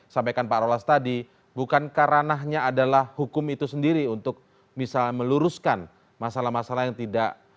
sampaikan pak rolas tadi bukankah ranahnya adalah hukum itu sendiri untuk bisa meluruskan masalah masalah yang tidak